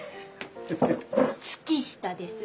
月下です。